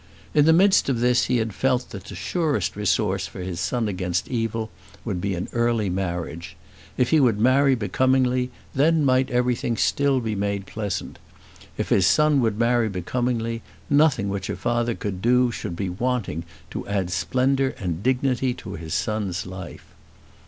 In the midst of this he had felt that the surest resource for his son against evil would be in an early marriage. If he would marry becomingly, then might everything still be made pleasant. If his son would marry becomingly nothing which a father could do should be wanting to add splendour and dignity to his son's life.